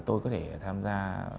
tôi có thể tham gia